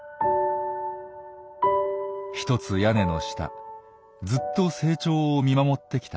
一つ屋根の下ずっと成長を見守ってきた